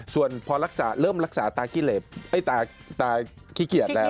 ส่วนพอเริ่มรักษาตาขี้เหล็บอีตายตาขี้เขียจแล้ว